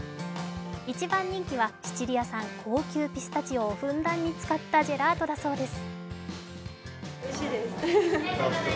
一番人気はシチリア産・高級ピスタチオをふんだんに使ったジェラートだそうです。